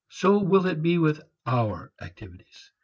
So will it be with our activities.